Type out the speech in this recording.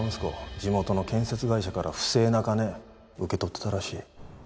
地元の建設会社から不正な金受け取ってたらしい。